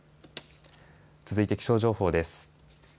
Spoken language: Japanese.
続いて気象情報です。